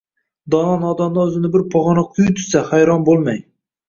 Dono nodondan o’zini bir pog’ona quyi tutsa, hayron bo’lmang.